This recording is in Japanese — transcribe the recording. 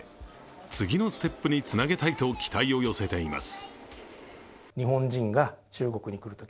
次のステップにつなげたいと期待を寄せています。